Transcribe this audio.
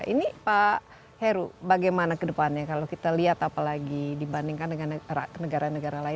ini pak heru bagaimana ke depannya kalau kita lihat apalagi dibandingkan dengan negara negara lain